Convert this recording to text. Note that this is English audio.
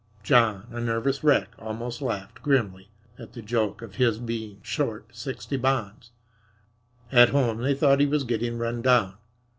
John, a nervous wreck, almost laughed, grimly, at the joke of his being short sixty bonds! At home they thought he was getting run down.